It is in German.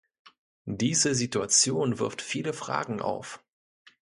Diese Situation wirft viele Fragen auf.